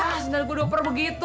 lah sedang gua duper begitu